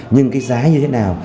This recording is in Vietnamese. nhưng cái giá như thế nào